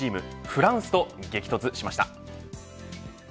フランスと激突しました。